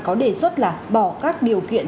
có đề xuất là bỏ các điều kiện